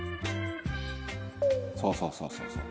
そうそうそうそうそう。